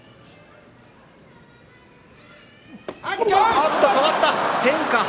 あっと変わった、変化。